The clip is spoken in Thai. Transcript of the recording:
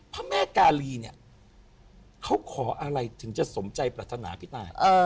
พระแม่กาลีเนี่ยเขาขออะไรถึงจะสมใจปรารถนาพี่ตาย